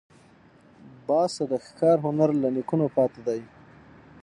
باز د ښکار هنر له نیکونو پاتې دی